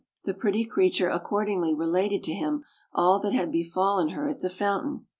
The pretty creature accordingly related to him all that had befallen her at the fountain.